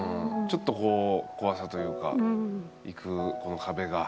ちょっとこう怖さというか行くこの壁が。